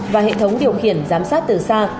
và hệ thống điều khiển giám sát từ xa